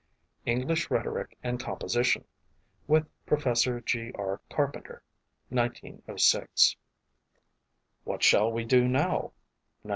English Rhetoric and Composition (with Professor G. R. Carpenter), 1906. What Shall We Do Now? 1906.